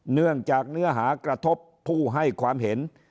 เนื่องจากเนื้อหากระทบผู้ให้ความเห็น